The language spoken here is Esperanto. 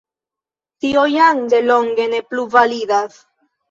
Tio jam de longe ne plu validas.